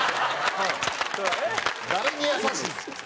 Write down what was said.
誰に優しいんですかそれ。